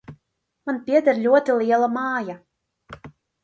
Man pieder ļoti liela māja.